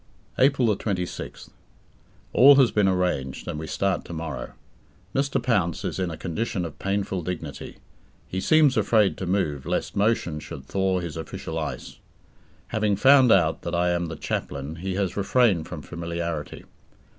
April 26th. All has been arranged, and we start to morrow. Mr. Pounce is in a condition of painful dignity. He seems afraid to move lest motion should thaw his official ice. Having found out that I am the "chaplain", he has refrained from familiarity.